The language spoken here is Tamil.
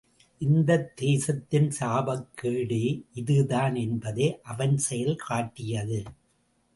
இந்தத் தேசத்தின் சாபக்கேடே இதுதான் என்பதை அவன் செயல் காட்டியது.